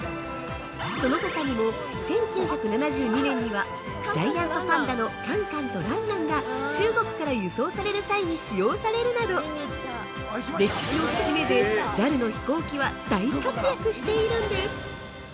そのほかにも、１９７２年にはジャイアントパンダのカンカンとランランが中国から輸送される際に使用されるなど歴史の節目でＪＡＬの飛行機は大活躍しているんです。